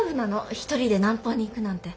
一人で南方に行くなんて。